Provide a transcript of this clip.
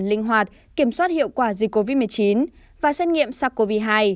linh hoạt kiểm soát hiệu quả dịch covid một mươi chín và xét nghiệm sars cov hai